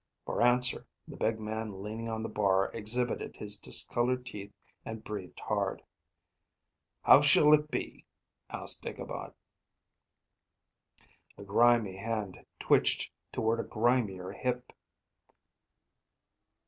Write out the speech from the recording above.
For answer, the big man leaning on the bar exhibited his discolored teeth and breathed hard. "How shall it be?" asked Ichabod. A grimy hand twitched toward a grimier hip.